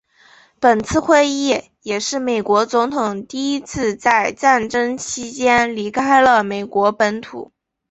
本次会议也是美国总统第一次在战争期间离开了美国本土。